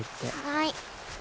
はい。